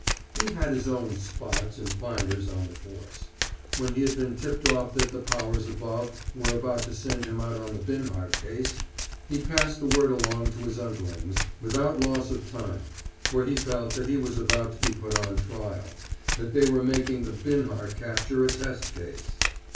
He had his own "spots" and "finders" on the force. When he had been tipped off that the powers above were about to send him out on the Binhart case, he passed the word along to his underlings, without loss of time, for he felt that he was about to be put on trial, that they were making the Binhart capture a test case.